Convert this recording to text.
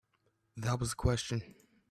That was the question.